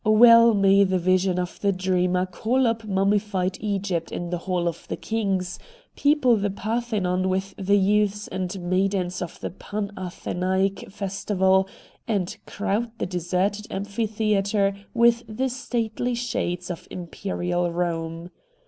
Well may the WHAT HAPPENED IN ST. JAMES'S ST. 07 vision of the dreamer call up mummified Egypt in the Hall of the Kings ; people the Parthenon with the youths and maidens of the Pan Athenaic festival, and crowd the deserted Amphitheatre with the stately shades of Imperial Eome.